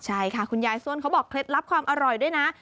ใช่ค่ะคุณยายส้วนเขาบอกเคล็ดลับความอร่อยด้วยนะ